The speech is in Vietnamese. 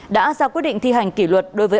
đã ra quyết định thi hành kỷ luật đối với